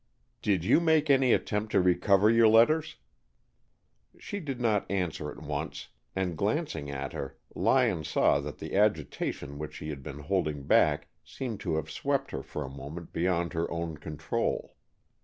"Did you make any attempt to recover your letters?" She did not answer at once, and glancing at her Lyon saw that the agitation which she had been holding back seemed to have swept her for a moment beyond her own control.